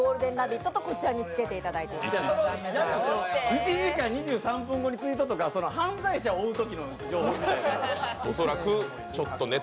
１時間２３分後にツイートとか犯罪者を追うときの情報みたいな。